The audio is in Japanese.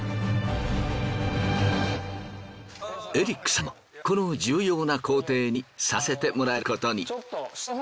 エリックさんもこの重要な工程に参加させてもらえることに。